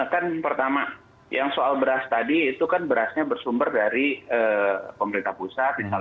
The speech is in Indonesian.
kan pertama yang soal beras tadi itu kan berasnya bersumber dari pemerintah pusat